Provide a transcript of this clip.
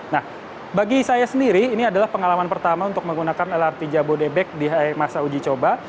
nah bagi saya sendiri ini adalah pengalaman pertama untuk menggunakan lrt jabodebek di masa uji coba